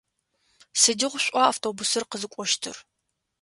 Сыдигъу шӏуа автобусыр къызыкӏощтыр?